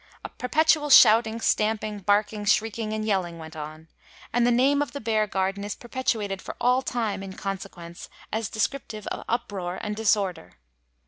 A perpetual shouting, stamping, barking, shrieking, and yelling went on ; and the name of the bear garden is perpetuated for all time, in consequence, as descriptive of uproar and disorder.